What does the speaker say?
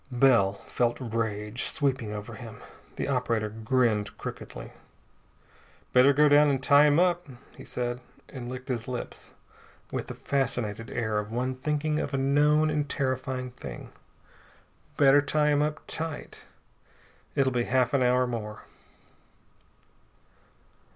Bell felt rage sweeping over him. The operator grinned crookedly. "Better go down and tie him up," he said, and licked his lips with the fascinated air of one thinking of a known and terrifying thing. "Better tie him up tight. It'll be half an hour more."